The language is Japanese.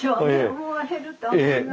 思われると思います。